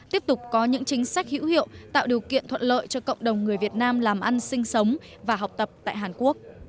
tiếp tục có những chính sách hữu hiệu tạo điều kiện thuận lợi cho cộng đồng người việt nam làm ăn sinh sống và học tập tại hàn quốc